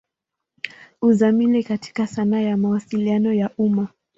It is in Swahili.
Uzamili katika sanaa ya Mawasiliano ya umma.